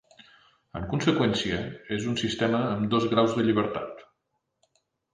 En conseqüència, és un sistema amb dos graus de llibertat.